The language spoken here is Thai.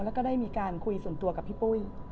แล้วก็ได้มีการคุยส่วนตัวกับพี่ปุ้ย